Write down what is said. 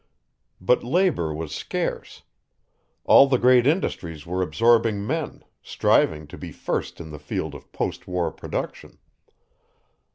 But labor was scarce. All the great industries were absorbing men, striving to be first in the field of post war production.